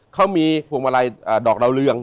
เขามีพวงมาลัยดอกดาวเรือง